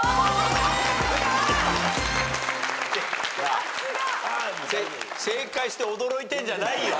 さすが！正解して驚いてんじゃないよ。